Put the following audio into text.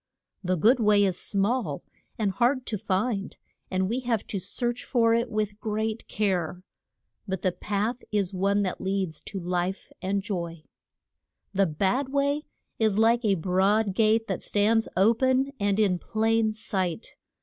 The good way is small and hard to find, and we have to search for it with great care. But the path is one that leads to life and joy. [Illustration: THE UN FRUIT FUL TREE.] The bad way is like a broad gate that stands o pen and in plain sight.